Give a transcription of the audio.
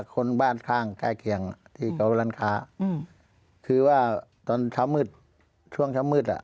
คนบ้านข้างใกล้เคียงที่เขาร้านค้าอืมคือว่าตอนเช้ามืดช่วงเช้ามืดอ่ะ